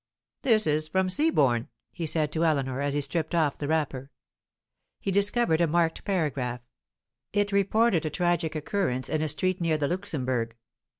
"This is from Seaborne," he said to Eleanor, as he stripped off the wrapper. He discovered a marked paragraph. It reported a tragic occurrence in a street near the Luxembourg.